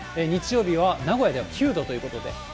日曜日は名古屋では９度ということで。